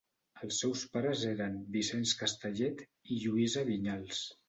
Els seus pares eren Vicenç Castellet i Lluïsa Vinyals.